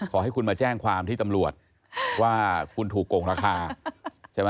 ขอให้คุณมาแจ้งความที่ตำรวจว่าคุณถูกโกงราคาใช่ไหม